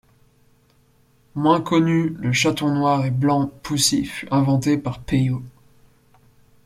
Moins connu, le chaton noir et blanc Poussy fut inventé par Peyo.